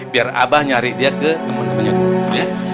biar abah nyari dia ke temen temennya dulu